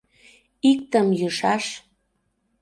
Иктым йӱшаш.